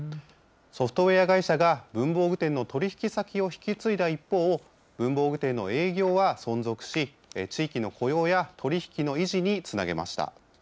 ソフトウエア会社が文房具店の取り引き先を引き継いだ一方、文房具店の営業は存続し、地域の雇用や取り引きの維持につなげました。